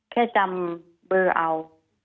แค่จำเบอร์เอา